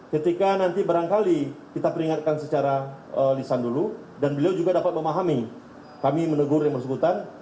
ketika nanti barangkali kita peringatkan secara lisan dulu dan beliau juga dapat memahami kami menegur yang bersangkutan